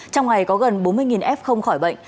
trong ngày có gần bốn mươi f khỏi bệnh